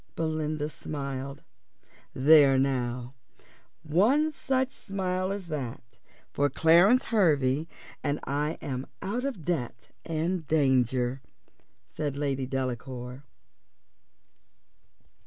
Belinda smiled. "There now; one such smile as that for Clarence Hervey, and I'm out of debt and danger," said Lady Delacour.